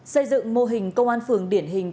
xây dựng mô hình công an phường điển hình